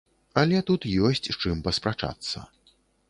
Але тут ёсць з чым паспрачацца.